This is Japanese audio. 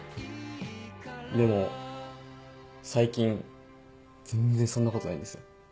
でも最近全然そんなことないんですよ。